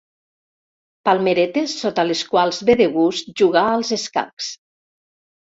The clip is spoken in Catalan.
Palmeretes sota les quals ve de gust jugar als escacs.